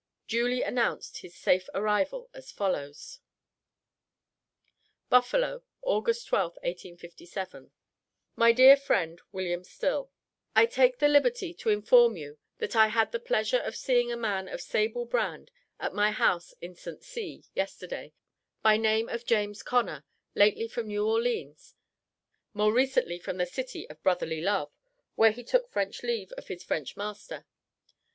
duly announced his safe arrival as follows: BUFFALO, Aug. 12th, 1857. MY DEAR FRIEND WM. STILL: I take the liberty to inform you, that I had the pleasure of seeing a man of sable brand at my house in St. C. yesterday, by name of James Connor, lately from New Orleans, more recently from the city of Brotherly love, where he took French leave of his French master.